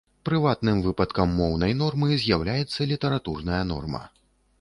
Прыватным выпадкам моўнай нормы з'яўляецца літаратурная норма.